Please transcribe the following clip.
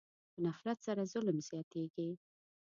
په نفرت سره ظلم زیاتېږي.